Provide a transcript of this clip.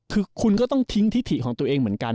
คือคุณก็ต้องทิ้งทิถิของตัวเองเหมือนกัน